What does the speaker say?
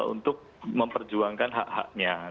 untuk memperjuangkan hak haknya